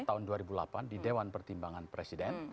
tahun dua ribu delapan di dewan pertimbangan presiden